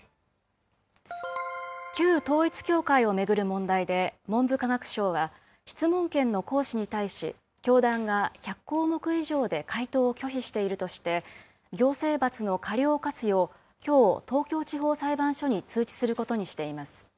旧統一教会を巡る問題で文部科学省は、質問権の行使に対し、教団が１００項目以上で回答を拒否しているとして、行政罰の過料を科すよう、きょう東京地方裁判所に通知することにしています。